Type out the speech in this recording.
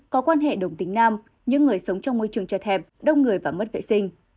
có quan hệ đồng tính nam những người sống trong môi trường cho hẹp đông người và mất vệ sinh